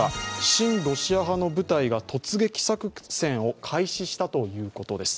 親ロシア派の部隊が突撃作戦を開始したということです。